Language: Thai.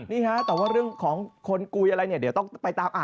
นี่แต่ว่าเรื่องของคนกุ้ยอะไรเดี๋ยวต้องไปตามอ่าน